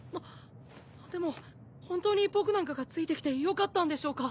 でも本当に僕なんかがついて来てよかったんでしょうか？